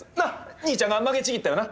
兄ちゃんが曲げちぎったよな？